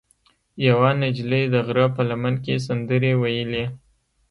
یوه نجلۍ د غره په لمن کې سندرې ویلې.